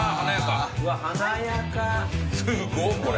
すごっこれ。